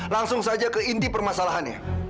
langsung saja ke inti permasalahannya